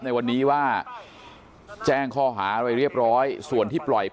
มีกล้วยติดอยู่ใต้ท้องเดี๋ยวพี่ขอบคุณ